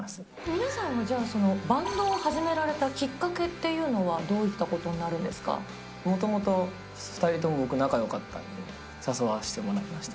皆さんはじゃあ、バンドを始められたきっかけっていうのは、どういったことなんでもともと２人とも僕、仲よかったんで、誘わしてもらいました。